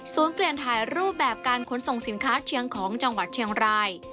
เปลี่ยนถ่ายรูปแบบการขนส่งสินค้าเชียงของจังหวัดเชียงราย